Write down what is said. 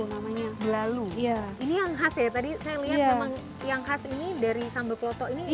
namanya belalu iya ini yang khas ya tadi saya lihat memang yang khas ini dari sambal kloto ini